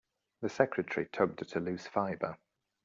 The secretary tugged at a loose fibre.